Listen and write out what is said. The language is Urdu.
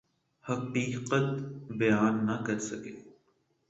حقیقت بیان نہ کر سکے۔